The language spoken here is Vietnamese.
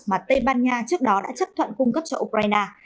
mà tây ban nha trước đó đã chấp thuận cung cấp cho ukraine